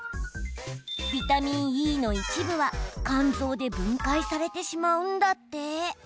ビタミンＥの一部は肝臓で分解されてしまうんだって。